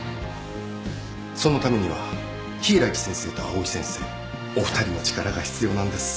そのためには柊木先生と藍井先生お二人の力が必要なんです。